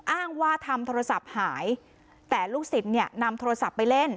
อ้างว่าทำโทรศัพท์หายแต่ลูกศิษย์เนี่ยนำโทรศัพท์ไปเล่น